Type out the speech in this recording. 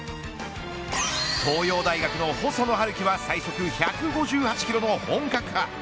東洋大学の細野晴希は最速１５８キロの本格派。